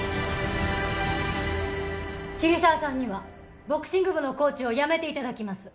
桐沢さんにはボクシング部のコーチを辞めて頂きます。